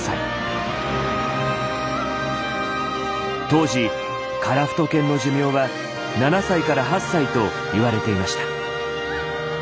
当時カラフト犬の寿命は７歳から８歳と言われていました。